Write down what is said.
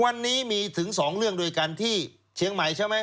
วันนี้มีถึง๒เรื่องด้วยกันที่เชียงใหม่ใช่ไหม